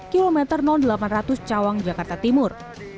kilometer delapan ratus cawang jakarta timur